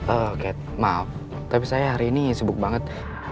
oh kat maaf tapi saya hari ini sibuk banget